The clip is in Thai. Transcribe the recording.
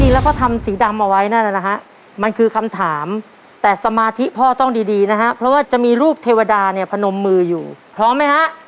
แล้วก็ทำสีดำเอาไว้นั่นนะฮะมันคือคำถามแต่สมาธิพ่อต้องดีนะฮะเพราะว่าจะมีรูปเทวดาเนี่ยพนมมืออยู่พร้อมไหมฮะ